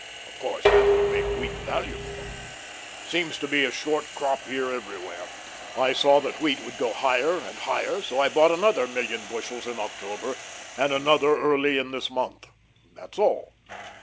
Of course that would make wheat valuable. Seems to be a short crop year everywhere. I saw that wheat would go higher and higher, so I bought another million bushels in October, and another early in this month. That's all.